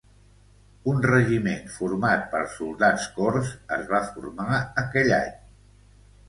Un regiment format per soldats cors es va formar aquell any.